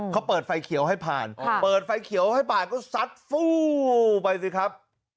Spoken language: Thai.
เขาเปิดไฟเขียวให้ผ่านเปิดไฟเขียวให้ผ่านก็ซัดฟู้ไปสิครับ